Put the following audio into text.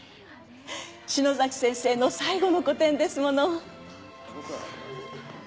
篠崎先生の最後の個展ですもの。